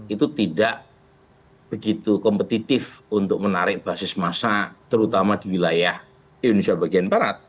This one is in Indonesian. itu tidak begitu kompetitif untuk menarik basis massa terutama di wilayah indonesia bagian barat